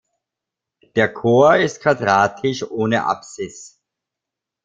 Der Chor ist quadratisch, ohne Apsis.